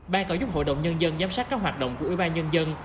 ban có giúp hội đồng nhân dân giám sát các hoạt động của ủy ban nhân dân